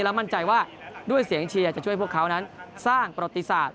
และมั่นใจว่าด้วยเสียงเชียร์จะช่วยพวกเขานั้นสร้างประติศาสตร์